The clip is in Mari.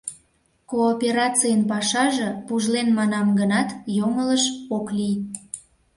Кооперацийын пашаже пужлен манам гынат, йоҥылыш ок лий.